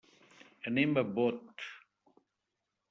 Anem a Bot.